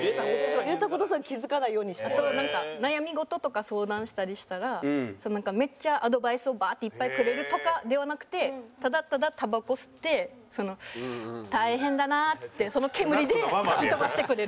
あとなんか悩み事とか相談したりしたらめっちゃアドバイスをバーッていっぱいくれるとかではなくてただただたばこ吸って「大変だな」っつってその煙で吹き飛ばしてくれる。